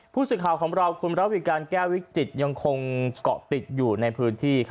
ผู้สื่อข่าวของเราคุณระวิการแก้ววิจิตรยังคงเกาะติดอยู่ในพื้นที่